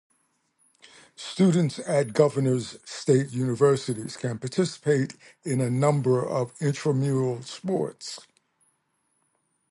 Students at Governors State University can participate in a number of intramural sports.